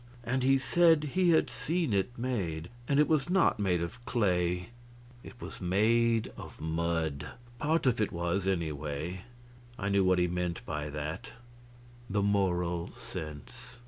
And he said he had seen it made; and it was not made of clay; it was made of mud part of it was, anyway. I knew what he meant by that the Moral Sense.